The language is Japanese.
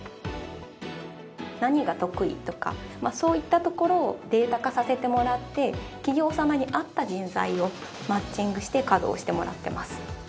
何が得意とかそういったところをデータ化させてもらって企業様に合った人材をマッチングして稼働してもらってます。